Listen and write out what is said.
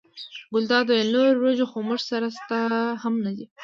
ګلداد وویل نورې وریجې خو موږ سره شته هم نه دي.